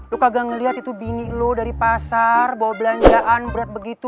lu kagak ngelihat itu bini lu dari pasar bawa belanjaan berat begitu